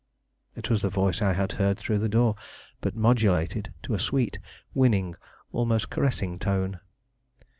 It was the voice I had heard through the door, but modulated to a sweet, winning, almost caressing tone.